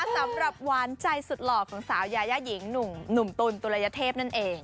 สำหรับหวานใจสุดหล่อของสาวยายาหญิงหนุ่มตุลตุลยเทพนั่นเอง